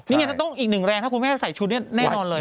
นี่ไงจะต้องอีกหนึ่งแรงถ้าคุณแม่จะใส่ชุดเนี่ยแน่นอนเลย